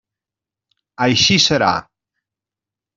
Així serà.